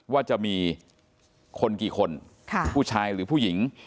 ว่าจะมีคนกี่คนผู้ชายหรือผู้หญิง